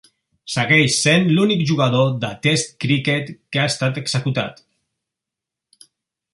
Segueix sent l'únic jugador de test cricket que ha estat executat.